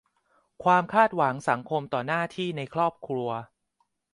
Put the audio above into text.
- ความคาดหวังสังคมต่อหน้าที่ในครอบครัว